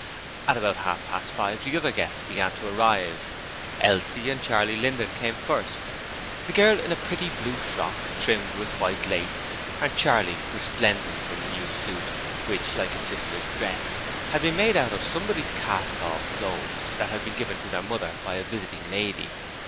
At about half past five the other guests began to arrive. Elsie and Charley Linden came first, the girl in a pretty blue frock trimmed with white lace, and Charley resplendent in a new suit, which, like his sister's dress, had been made out of somebody's cast off clothes that had been given to their mother by a visiting lady.